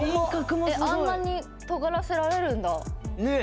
あんなにとがらせられるんだねえ